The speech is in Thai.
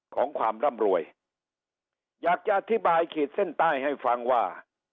ของความร่ำรวยอยากจะอธิบายขีดเส้นใต้ให้ฟังว่า